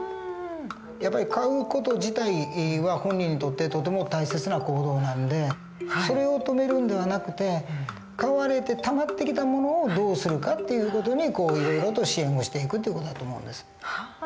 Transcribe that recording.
やっぱり買う事自体は本人にとってとても大切な行動なんでそれを止めるんではなくて買われてたまってきたものをどうするかっていう事にいろいろと支援をしていく事だと思うんです。